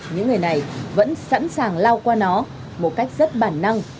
những người này vẫn sẵn sàng lao qua nó một cách rất bản năng